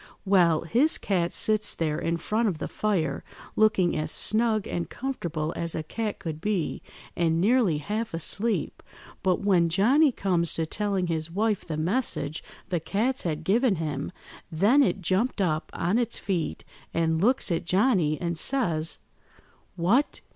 Well, his cat sits there in front of the fire looking as snug and comfortable as a cat could be, and nearly half–asleep, but when Johnny comes to telling his wife the message the cats had given him, then it jumped up on its feet, and looks at Johnny, and says— "'What!